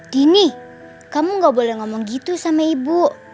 dini kamu gak boleh ngomong gitu sama ibu